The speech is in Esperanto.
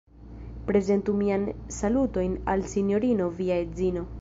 Prezentu miajn salutojn al Sinjorino via edzino!